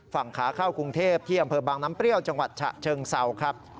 ฝั่งขาเข้ากรุงเทพที่อำเภอบางน้ำเปรี้ยวจังหวัดฉะเชิงเศร้าครับ